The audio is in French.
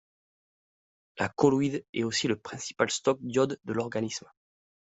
La colloïde est aussi le principal stock d'iode de l'organisme.